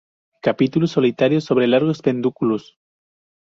Capítulos solitarios sobre largos pedúnculos.